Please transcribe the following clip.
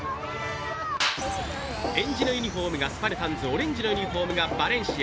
えんじのユニフォームがスパルタンズオレンジのユニフォームがバレンシア。